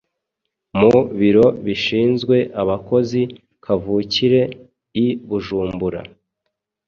mu biro bishinzwe abakozi kavukire i Bujumbura.